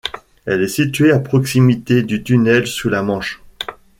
Elle est située à proximité du tunnel sous la Manche.